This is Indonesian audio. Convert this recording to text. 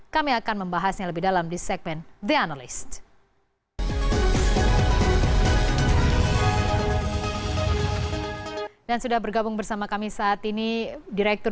kami akan membahasnya lebih dalam di segmen the analyst